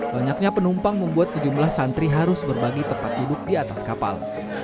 banyaknya penumpang membuat sejumlah santri harus berbagi tempat duduk di atas kapal